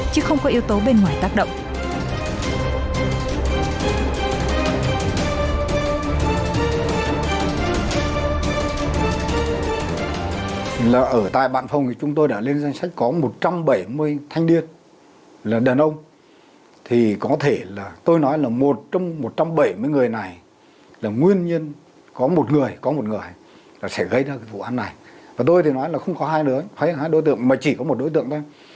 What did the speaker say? chứ không có yếu tố bên ngoài tác động